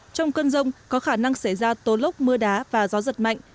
trong cơn rông có khả năng xảy ra tố lốc mưa đá và gió giật mạnh